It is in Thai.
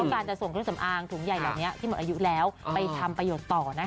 การจะส่งเครื่องสำอางถุงใหญ่เหล่านี้ที่หมดอายุแล้วไปทำประโยชน์ต่อนะคะ